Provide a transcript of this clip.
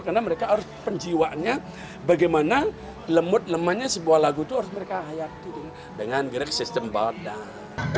karena mereka harus penjiwanya bagaimana lemut lemahnya sebuah lagu itu harus mereka hayati dengan gerak sistem badan